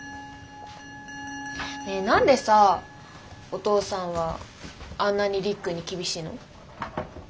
ねえ何でさお父さんはあんなにりっくんに厳しいの？